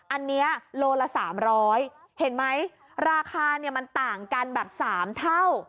อันนี้โลละ๓๐๐เห็นไหมราคาเนี่ยมันต่างกันแบบ๓เท่า